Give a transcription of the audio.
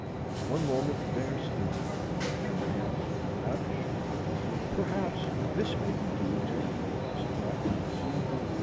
One moment they are stingy, and the next lavish. Perhaps this may be due to absent mindedness.